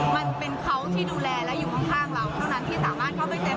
มันเป็นเขาที่ดูแลและอยู่ข้างเราเท่านั้นที่สามารถเข้าไปเต็ม